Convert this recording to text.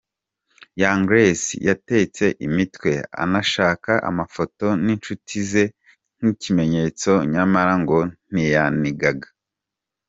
Young Grace yatetse imitwe anashaka amafoto n'inshuti ze nk'ikimenyetso nyamara ngo ntiyanigaga.